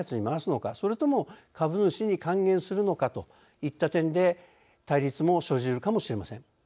それとも株主に還元するのかといった点で対立も生じるかもしれません。